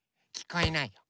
きこえない。